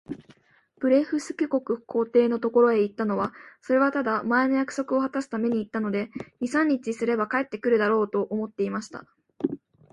ブレフスキュ国皇帝のところへ行ったのは、それはただ、前の約束をはたすために行ったので、二三日すれば帰って来るだろう、と思っていました。